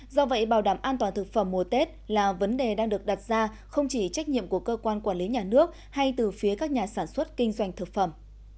do vậy bảo đảm an toàn thực phẩm mùa tết là vấn đề đang được đặt ra không chỉ trách nhiệm của cơ quan quản lý nhà nước hay từ phía các nhà sản xuất kinh doanh thực phẩm